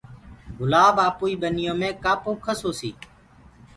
گُلآب آپوئي ٻنيو مي ڪآ پوکس هوسي